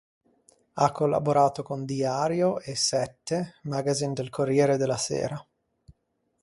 Ha collaborato con "Diario" e "Sette", magazine del "Corriere della Sera".